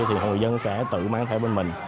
thì người dân sẽ tự mang theo bên mình